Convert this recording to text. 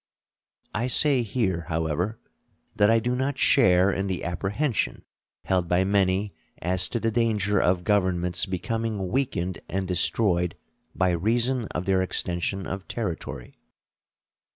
I say here, however, that I do not share in the apprehension held by many as to the danger of governments becoming weakened and destroyed by reason of their extension of territory.